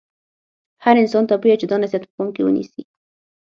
هر انسان ته پویه چې دا نصحیت په پام کې ونیسي.